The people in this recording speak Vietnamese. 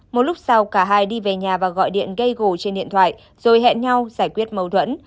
một lúc sau cả hai đi về nhà và gọi điện gây gồ trên điện thoại rồi hẹn nhau giải quyết mâu thuẫn